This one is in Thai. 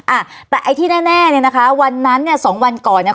อ่ะแต่ไอ้ที่แน่แน่เนี่ยนะคะวันนั้นเนี่ยสองวันก่อนเนี่ย